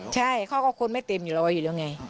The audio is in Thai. ใช่เขาก็คนไม่เต็มอยู่แล้วไง